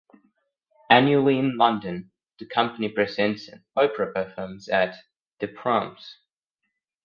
Annually in London, the company presents an opera performance at The Proms.